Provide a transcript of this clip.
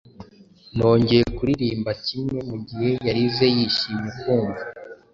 Nongeye kuririmba kimwe, Mugihe yarize yishimye kumva.